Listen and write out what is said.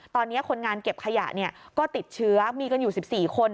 ตอนนี้คนงานเก็บขยะก็ติดเชื้อมีกันอยู่๑๔คน